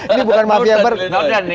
ini bukan mafia berkeley ya